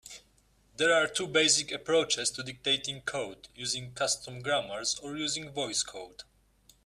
There are two basic approaches to dictating code: using custom grammars or using VoiceCode.